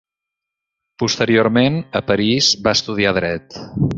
Posteriorment, a París, va estudiar dret.